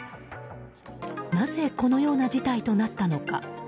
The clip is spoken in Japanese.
なぜ、このような事態となったのか。